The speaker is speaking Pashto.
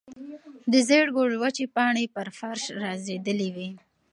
د زېړ ګل وچې پاڼې پر فرش رژېدلې وې.